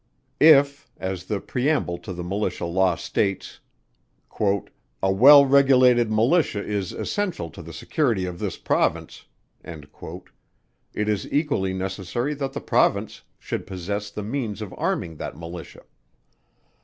If (as the preamble to the Militia Law states) "a well regulated Militia is essential to the security of this Province," it is equally necessary that the Province should possess the means of arming that Militia.